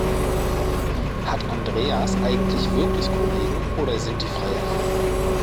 Hat Andreas eigentlich wirklich Kollegen, oder sind die frei erfunden?